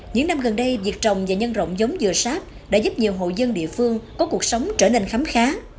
những năm gần đây việc trồng và nhân rộng giống dừa sáp đã giúp nhiều hộ dân địa phương có cuộc sống trở nên khám khá